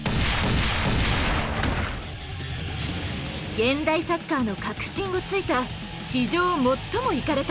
現代サッカーの核心を突いた「史上最もイカれた」